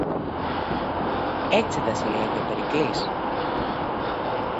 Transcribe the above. Έτσι δε σε λέγει ο Περικλής;